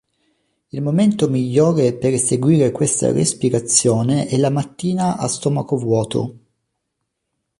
Il momento migliore per eseguire questa respirazione è la mattina a stomaco vuoto.